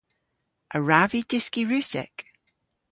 A wrav vy dyski Russek?